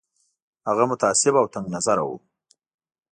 هغه متعصب او تنګ نظر وو.